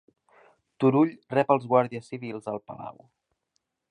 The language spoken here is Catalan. Turull rep els guàrdies civils al palau